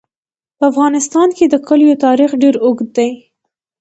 په افغانستان کې د کلیو تاریخ ډېر اوږد دی.